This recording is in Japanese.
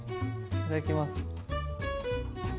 いただきます。